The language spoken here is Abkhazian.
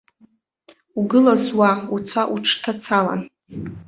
Угылаз уа уцәа уҽҭацалан!